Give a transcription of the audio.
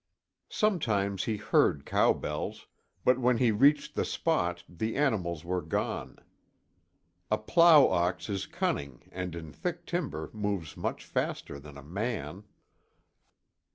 Sometimes he heard cow bells, but when he reached the spot the animals were gone. A plow ox is cunning and in thick timber moves much faster than a man.